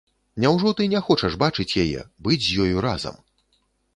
Няўжо ты не хочаш бачыць яе, быць з ёю разам?